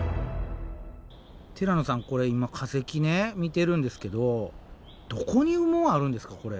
ティラノさんこれ今化石見てるんですけどどこに羽毛あるんですかこれ。